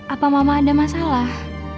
apa mama ada masalah